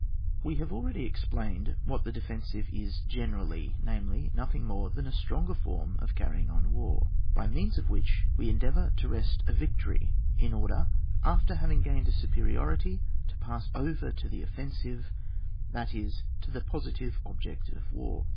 We have already explained wliat the defensire is generally, namely, nothing more than a stronger form of carrying on war (page 69), by means of which we endeayour to wrest a victory, in order, after having gained a superiority, to pass over to the offensive, that is to the pos itive object of war.